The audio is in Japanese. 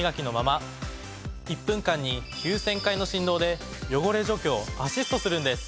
１分間に９，０００回の振動で汚れ除去をアシストするんです。